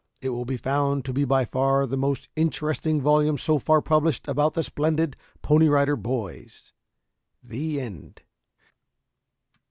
It will be found to be by far the most interesting volume so far published about the splendid Pony Rider Boys. The End.